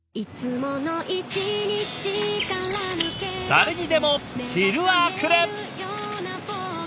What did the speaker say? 誰にでも昼はくる。